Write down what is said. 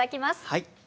はい。